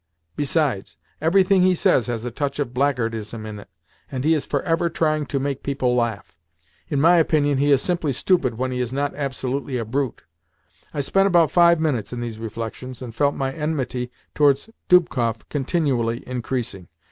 Besides, everything he says has a touch of blackguardism in it, and he is forever trying to make people laugh. In my opinion he is simply stupid when he is not absolutely a brute." I spent about five minutes in these reflections, and felt my enmity towards Dubkoff continually increasing.